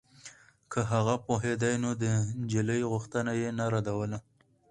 که هغه پوهېدای نو د نجلۍ غوښتنه يې نه ردوله.